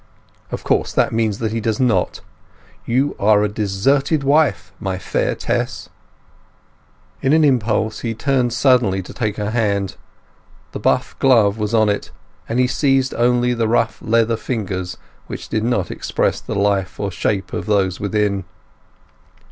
"Of course that means that he does not. You are a deserted wife, my fair Tess—" In an impulse he turned suddenly to take her hand; the buff glove was on it, and he seized only the rough leather fingers which did not express the life or shape of those within.